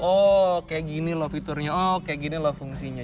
oh kayak gini loh fiturnya oh kayak gini loh fungsinya